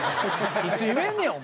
いつ言えんねやお前。